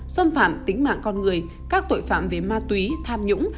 xâm phạm tính mạng con người các tội phạm về ma túy tham nhũng